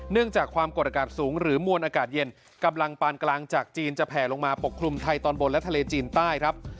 จากความกดอากาศสูงหรือมวลอากาศเย็นกำลังปานกลางจากจีนจะแผลลงมาปกคลุมไทยตอนบนและทะเลจีนใต้ครับ